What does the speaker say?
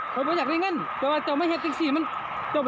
เจ้าอย่างในเงินมันว่ะเจ้าอย่างในเงินมันว่ะ